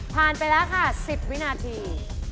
ไปแล้วค่ะ๑๐วินาที